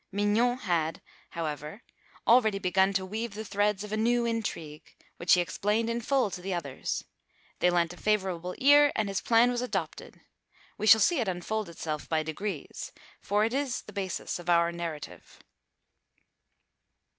Mignon had, however, already begun to weave the threads of a new intrigue, which he explained in full to the others; they lent a favourable ear, and his plan was adopted. We shall see it unfold itself by degrees, for it is the basis of our narrative.